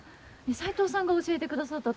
齋藤さんが教えてくださったと。